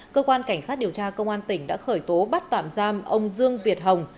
cơ quan cảnh sát điều tra công an tỉnh đã khởi tố bắt tạm giam ông dương việt hồng